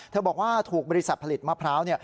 บอกว่าถูกบริษัทผลิตมะพร้าว